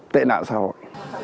tệ nạn xã hội